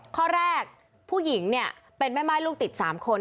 ข้อแรกผู้หญิงในเป็นแม่ไม้ลูกติด๓คน